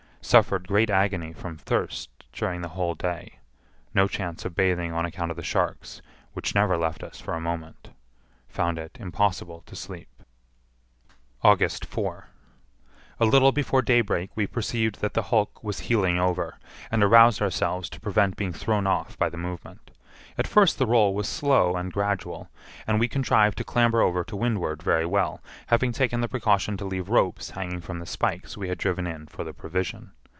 Suffered great agony from thirst during the whole day—no chance of bathing on account of the sharks, which never left us for a moment. Found it impossible to sleep. August 4. A little before daybreak we perceived that the hulk was heeling over, and aroused ourselves to prevent being thrown off by the movement. At first the roll was slow and gradual, and we contrived to clamber over to windward very well, having taken the precaution to leave ropes hanging from the spikes we had driven in for the provision.